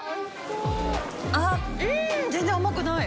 あっ、全然甘くない。